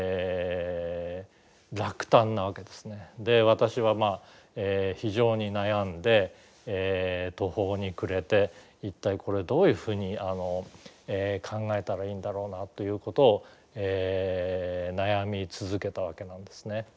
私は非常に悩んで途方に暮れて一体これどういうふうに考えたらいいんだろうなということを悩み続けたわけなんですね。